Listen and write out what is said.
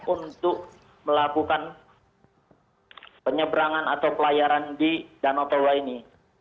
untuk melakukan penyeberangan atau pelayaran di danau toba ini